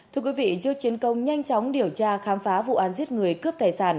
thưa quý vị trước chiến công nhanh chóng điều tra khám phá vụ án giết người cướp tài sản